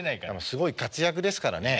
すごい活躍ですからね